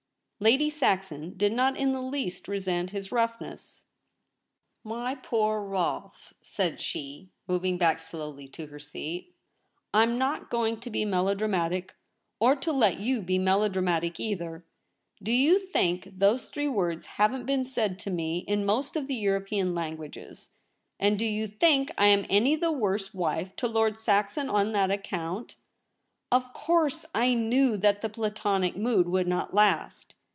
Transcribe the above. Lady Saxon did not in the least resent his roughness. * My poor Rolfe,' said she. moving back slowly to her seat, ' I'm not going to be melodramatic or to let you be melodramatic either. Do you think those three words haven't been said to me in most of the European languages, and do you think I am any the worse wife to Lord Saxon on that account ? Of course I knew that the Platonic mood would not last.